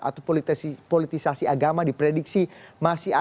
atau politisasi agama diprediksi masih ada